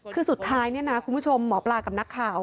คือสุดท้ายคุณผู้ชมหมอปลากับนักข่าว